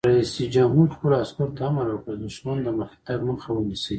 رئیس جمهور خپلو عسکرو ته امر وکړ؛ د دښمن د مخکې تګ مخه ونیسئ!